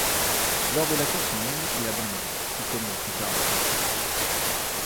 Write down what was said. Lors de la course en ligne, il abandonne, tout comme la plupart des concurrents.